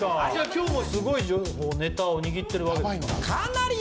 今日もすごい情報ネタを握ってるわけですか？